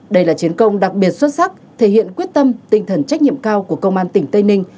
đây là chiến công đặc biệt xuất sắc thể hiện quyết tâm tinh thần trách nhiệm cao của công an tỉnh tây ninh